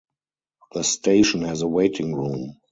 The station has a waiting room.